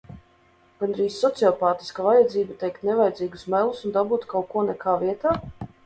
Gandrīz sociopātiska vajadzība teikt nevajadzīgus melus un dabūt kaut ko nekā vietā?